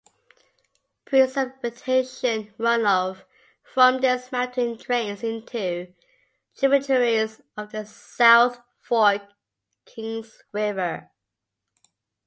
Precipitation runoff from this mountain drains into tributaries of the South Fork Kings River.